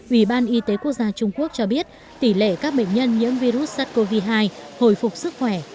ủy ban y tế quốc gia trung quốc cho biết tỷ lệ các bệnh nhân nhiễm virus sars cov hai hồi phục sức khỏe